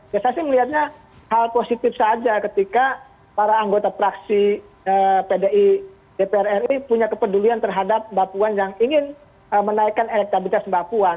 ya saya sih melihatnya hal positif saja ketika para anggota praksi pdi dpr ri punya kepedulian terhadap mbak puan yang ingin menaikkan elektabilitas mbak puan